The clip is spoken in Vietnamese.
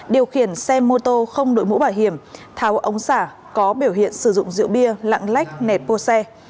điều khiển xe mô tô không đội mũ bảo hiểm tháo ống xả có biểu hiện sử dụng rượu bia lạng lách nẹt bô xe